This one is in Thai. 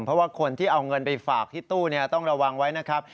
เพราะว่าคนที่เอาเงินไปฝากที่ตู้ต้องระวังไว้นะครับ